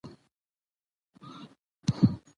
په بيا بيا غلط کوډ وهلو مو کيدی شي آئيډي بنده شي